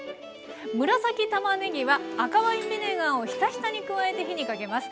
紫たまねぎは赤ワインビネガーをヒタヒタに加えて火にかけます。